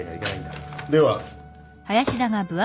では。